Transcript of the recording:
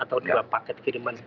atau dua paket kiriman